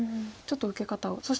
ちょっと受け方を。